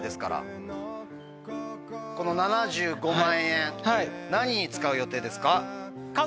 この７５万円何に使う予定ですか？